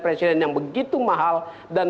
presiden yang begitu mahal dan